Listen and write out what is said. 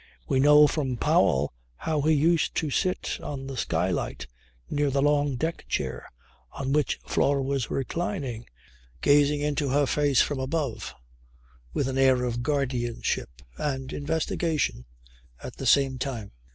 We know from Powell how he used to sit on the skylight near the long deck chair on which Flora was reclining, gazing into her face from above with an air of guardianship and investigation at the same time.